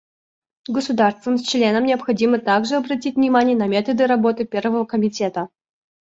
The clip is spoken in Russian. Государствам-членам необходимо также обратить внимание на методы работы Первого комитета.